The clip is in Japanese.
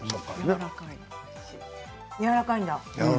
やわらかいんだ。